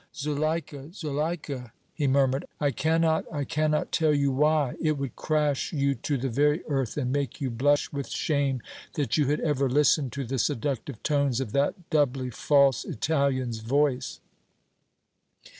"Zuleika, Zuleika," he murmured, "I cannot, I cannot tell you why! It would crash you to the very earth and make you blush with shame that you had ever listened to the seductive tones of that doubly false Italian's voice!"